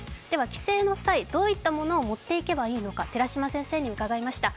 帰省の際、どういったものを持っていけばいいのか、寺嶋先生に伺いました。